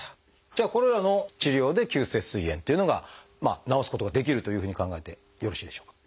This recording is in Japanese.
じゃあこれらの治療で急性すい炎っていうのが治すことができるというふうに考えてよろしいでしょうか？